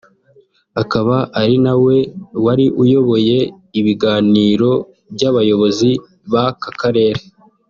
Akaba ari na we wari uyoboye ibiganiro by’abayobozi b’aka karere